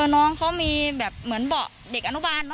น้องเขามีเหมือนเหมาะเด็กอนุบาล